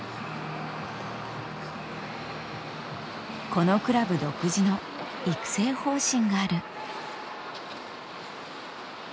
このクラブ独自の育成方針がある。